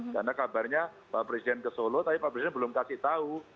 karena kabarnya pak presiden ke solo tapi pak presiden belum kasih tahu